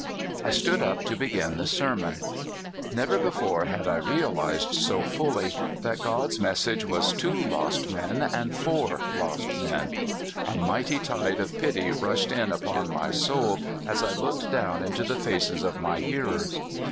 I stood up to begin the sermon. Never be fore had I realized so fully that God's message was to lost men and for lost men. A mighty tide of pity rushed in upon my soul as I looked down into the faces of my hearers.